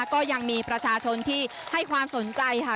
ก็ยังมีประชาชนที่ให้ความสนใจค่ะ